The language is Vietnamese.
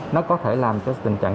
nó có thể làm cho tình trạng